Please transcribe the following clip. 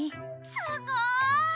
「すごーい！」